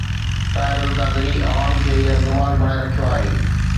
طاهر القادري عوام کي يرغمال بڻائي رکيو آهي.